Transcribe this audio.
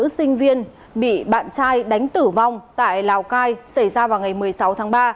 sinh viên bị bạn trai đánh tử vong tại lào cai xảy ra vào ngày một mươi sáu tháng ba